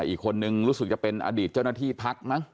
อีกคนนึงรู้สึกจะเป็นอดีตเจ้าหน้าที่พักมั้ง